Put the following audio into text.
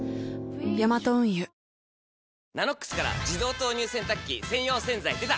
ヤマト運輸「ＮＡＮＯＸ」から自動投入洗濯機専用洗剤でた！